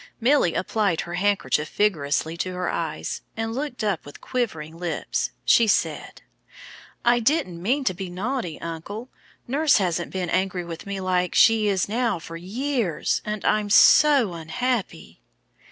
Milly applied her handkerchief vigorously to her eyes, and looking up with quivering lips, she said, "I didn't mean to be naughty, uncle. Nurse hasn't been angry with me like she is now for years, and I'm so unhappy!"